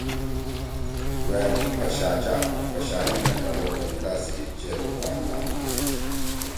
گوأکی پشاچہ(پشائی) مے ٹل او قبیلہ سی چیر پُران نام تُھو۔